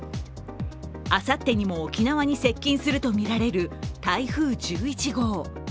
あさってにも沖縄に接近するとみられる台風１１号。